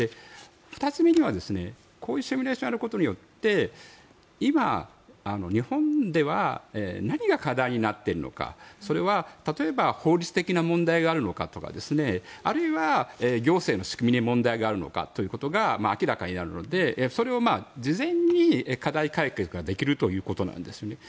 ２つ目にはこういうシミュレーションをやることによって今、日本では何が課題になっているのかそれは例えば法律的な問題があるのかとかあるいは行政の仕組みに問題があるのかということが明らかになるのでそれを事前に課題解決ができるということなんですね。